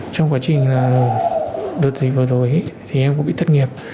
trong quá trình đợt dịch vừa rồi thì em cũng bị thất nghiệp